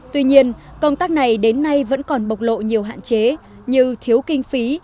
tuy nhiên công tác này đến nay vẫn còn bộc lộ nhiều hạn chế như thiếu kinh phí